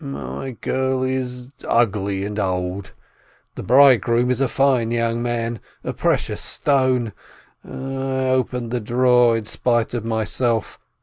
.. My girl is ugly and old ... the bridegroom is a fine young man ... a precious stone .... I opened the drawer in spite of myself